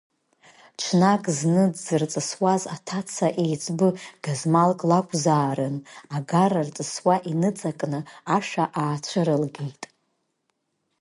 Ҽнак зны дзырҵысуаз аҭаца еиҵбы, гызмалк лакәзаарын, агара рҵысуа, иныҵакны ашәа аацәырылгеит…